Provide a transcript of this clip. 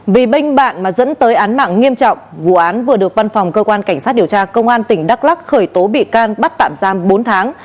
vì bên bạn mà dẫn tới án mạng nghiêm trọng vụ án vừa được văn phòng cơ quan cảnh sát điều tra công an tỉnh đắk lắc khởi tố bị can bắt tạm giam bốn tháng